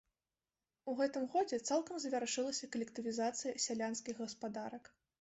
У гэтым годзе цалкам завяршылася калектывізацыя сялянскіх гаспадарак.